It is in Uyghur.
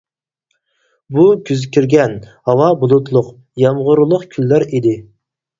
بۇ كۈز كىرگەن، ھاۋا بۇلۇتلۇق، يامغۇرلۇق كۈنلەر ئىدى.